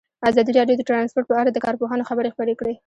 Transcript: ازادي راډیو د ترانسپورټ په اړه د کارپوهانو خبرې خپرې کړي.